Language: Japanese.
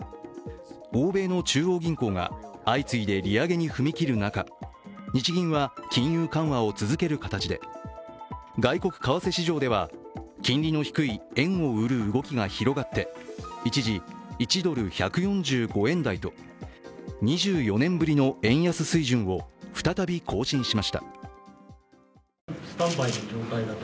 欧米の中央銀行が相次いで利上げに踏み切る中、日銀は、金融緩和を続ける形で外国為替市場では金利の低い円を売る動きが広がって一時、１ドル＝１４５円台と２４年ぶりの円安水準を再び更新しました。